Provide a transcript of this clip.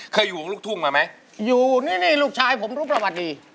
เคยอยู่กับลูกทุ่งมาไหมอยู่นี่นี่ลูกชายผมรู้ประวัติดี